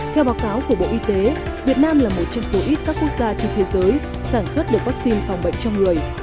theo báo cáo của bộ y tế việt nam là một trong số ít các quốc gia trên thế giới sản xuất được vắc xin phòng bệnh cho người